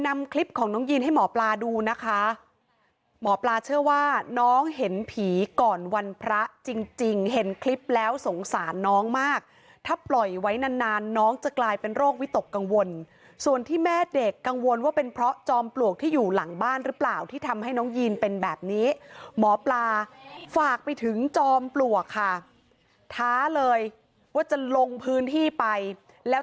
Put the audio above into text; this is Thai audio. นำคลิปของน้องยีนให้หมอปลาดูนะคะหมอปลาเชื่อว่าน้องเห็นผีก่อนวันพระจริงจริงเห็นคลิปแล้วสงสารน้องมากถ้าปล่อยไว้นานนานน้องจะกลายเป็นโรควิตกกังวลส่วนที่แม่เด็กกังวลว่าเป็นเพราะจอมปลวกที่อยู่หลังบ้านหรือเปล่าที่ทำให้น้องยีนเป็นแบบนี้หมอปลาฝากไปถึงจอมปลวกค่ะท้าเลยว่าจะลงพื้นที่ไปแล้ว